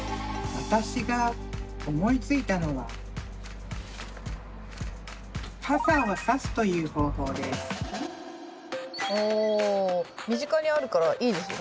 私が思いついたのはお身近にあるからいいですよね。